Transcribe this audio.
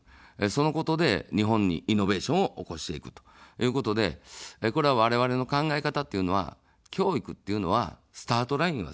そのことで日本にイノベーションを起こしていくということで、これ、われわれの考え方というのは教育っていうのは、スタートラインをそろえる。